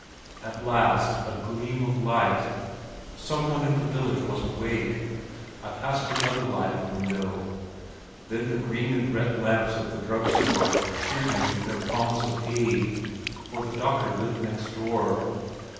At last a gleam of light! Someone in the village was awake. I passed another lighted window. Then the green and red lamps of the drug store cheered me with their promise of aid, for the doctor lived next door.